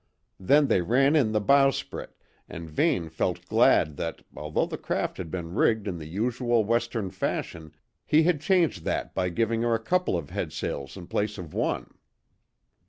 Then they ran in the bowsprit, and Vane felt glad that, although the craft had been rigged in the usual Western fashion, he had changed that by giving her a couple of headsails in place of one.